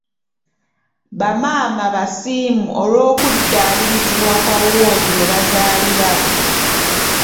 Ba maama basiimu olw'okuddabirizibwa kwa woodi webazaalira.